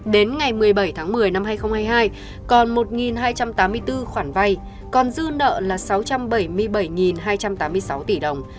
đến ngày một mươi bảy tháng một mươi năm hai nghìn hai mươi hai còn một hai trăm tám mươi bốn khoản vay còn dư nợ là sáu trăm bảy mươi bảy hai trăm tám mươi sáu tỷ đồng